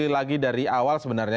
lagi dari awal sebenarnya